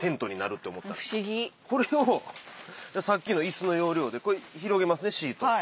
これをさっきの椅子の要領でこれ広げますねシートを。